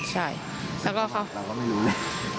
แล้วก็แล้วไม่รู้